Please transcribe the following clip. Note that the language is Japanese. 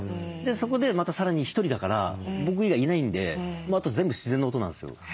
そこでまたさらにひとりだから僕以外いないんであと全部自然の音なんですよ。